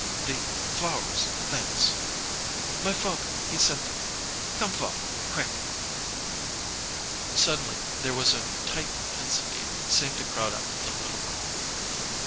"The flowers thanks!" "My father, he sent them. Come, father quick!" Suddenly there was a tight tensity seemed to crowd up the little room.